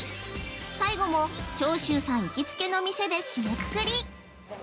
最後も、長州さん行きつけの店で締めくくり！